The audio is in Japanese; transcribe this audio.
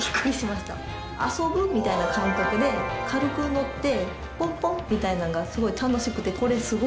遊ぶみたいな感覚で軽く乗ってポンポン！みたいなのがすごい楽しくて。